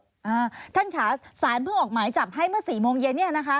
อ่าท่านขาสภออกหมายจับให้เมื่อ๔โมงเย็นเนี่ยนะคะ